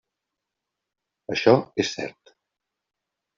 Això és cert.